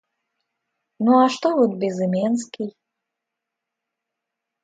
Ну, а что вот Безыменский?!